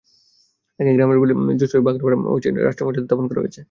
তাঁকে গ্রামের বাড়ি যশোরের বাঘারপাড়া থানার নাড়িকেলবাড়িয়ায় রাষ্ট্রীয় মর্যাদায় দাফন করা হয়েছে।